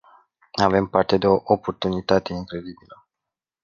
Avem parte de o oportunitate incredibilă.